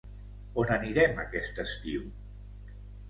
On anirem aquest estiu?